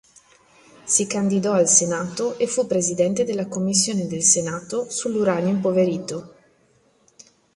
Si candidò al Senato e fu presidente della commissione del Senato sull'uranio impoverito.